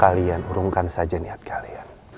kalian urungkan saja niat kalian